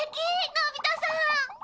のび太さん！